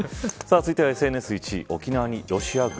続いてはＳＮＳ１位。